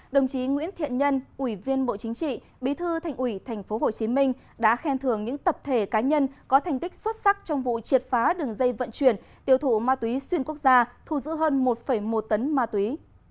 đồng chí nguyễn thiện nhân ủy viên bộ chính trị bí thư thành ủy tp hcm đã khen thưởng những tập thể cá nhân có thành tích xuất sắc trong vụ triệt phá đường dây vận chuyển tiêu thụ ma túy xuyên quốc gia thu giữ hơn một một tấn ma túy